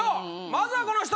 まずはこの人！